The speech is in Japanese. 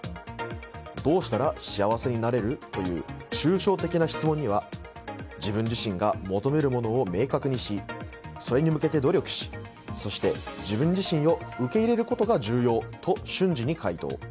どうしたら幸せになれる？という抽象的な質問には自分自身が求めるものを明確にしそれに向けて努力し、そして自分自身を受け入れることが重要と瞬時に回答。